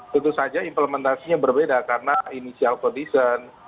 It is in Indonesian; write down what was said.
tentu saja implementasinya berbeda karena inisial codition